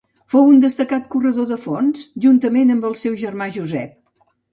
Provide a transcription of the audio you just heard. Fou un destacat corredor de fons, juntament amb el seu germà Josep.